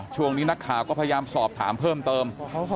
ช่วงนี้นักข่าวก็พยายามสอบถามเพิ่มเติม